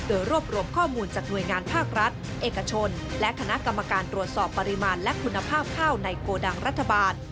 โดยรวบรวมข้อมูลจากหน่วยงานภาครัฐเอกชนและคณะกรรมการตรวจสอบปริมาณและคุณภาพข้าวในโกดังรัฐบาล